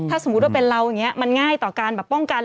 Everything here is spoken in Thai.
ถ้าสมมุติว่าเป็นเราอย่างนี้มันง่ายต่อการแบบป้องกัน